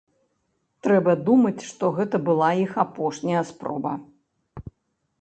Трэба думаць, што гэта была іх апошняя спроба.